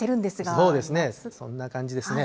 そんな感じですね。